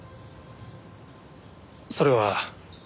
それは。